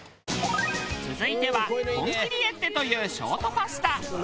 続いてはコンキリエッテというショートパスタ。